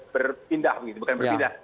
berpindah bukan berpindah